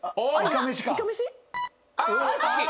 いかめし？